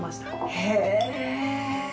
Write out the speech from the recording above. へえ。